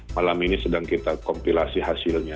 malam ini sedang kita kompilasi hasilnya